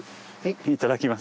いただきます。